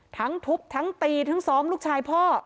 ทั้งทุบทั้งตีทั้งซ้อมลูกชายพ่อ